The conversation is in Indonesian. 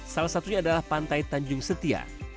salah satunya adalah pantai tanjung setia